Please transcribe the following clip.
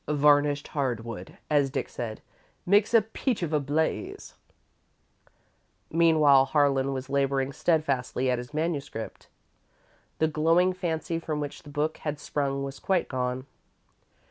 "Varnished hardwood," as Dick said, "makes a peach of a blaze." Meanwhile Harlan was labouring steadfastly at his manuscript. The glowing fancy from which the book had sprung was quite gone.